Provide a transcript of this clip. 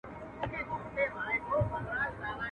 ټول مېږي وه خو هر ګوره سره بېل وه.